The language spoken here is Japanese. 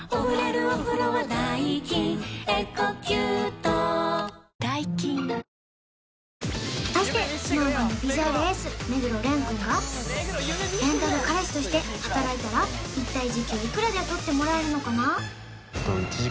トランシーノの最新美白美容液果たしてＳｎｏｗＭａｎのビジュアルエース目黒蓮君がレンタル彼氏として働いたら一体時給いくらで雇ってもらえるのかな？